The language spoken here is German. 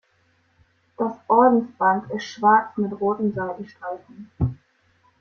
Das Ordensband ist schwarz mit roten Seitenstreifen.